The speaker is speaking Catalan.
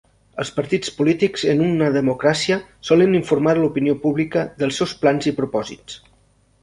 Els partits polítics en una democràcia solen informar l'opinió pública dels seus plans i propòsits.